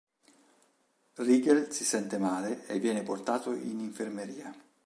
Rygel si sente male e viene portato in infermeria.